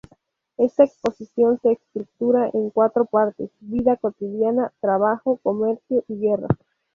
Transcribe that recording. Esta exposición se estructura en cuatro partes: vida cotidiana, trabajo, comercio y guerra.